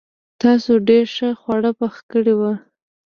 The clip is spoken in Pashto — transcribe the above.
تاسو ډېر ښه خواړه پخ کړي وو.